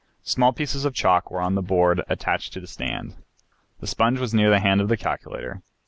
Small pieces of chalk were on the board attached to the stand. The sponge was near the hand of the calculator.